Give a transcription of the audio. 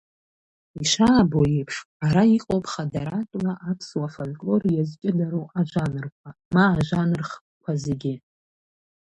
Ишаабо еиԥш, ара иҟоуп хадаратәла аԥсуа фольклор иазҷыдароу ажанрқәа, ма ажанр хкқәа зегьы.